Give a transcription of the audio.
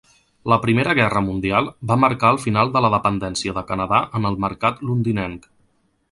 La Primera Guerra Mundial va marcà el final de la dependència de Canadà en el mercat londinenc.